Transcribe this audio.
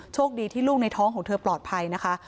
โชคดีที่ลูกในท้องของเธอปลอดภัยนะคะ